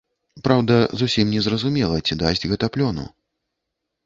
Праўда, зусім незразумела, ці дасць гэта плёну.